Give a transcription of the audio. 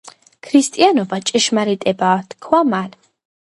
“ქრისტიანობა ჭეშმარიტებაა” თქვა მან